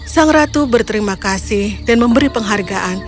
sang ratu berterima kasih dan memberi penghargaan